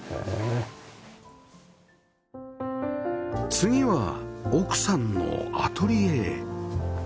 次は奥さんのアトリエへ